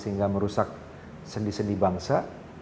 sehingga merusak sendi sendi bangsa